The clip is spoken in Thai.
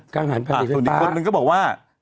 ส่วนอีกคนนึงก็บอกว่า